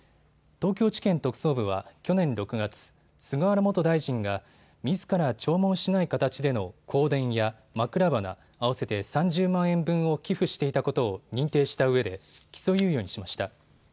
東京地検特捜部は去年６月、菅原元大臣がみずから弔問しない形での香典や枕花、合わせて３０万円分を寄付していたことを認定したうえで起訴猶予にしました。